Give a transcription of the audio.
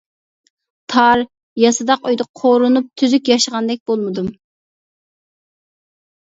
تار، ياسىداق ئۆيدە قورۇنۇپ، تۈزۈك ياشىغاندەك بولمىدىم.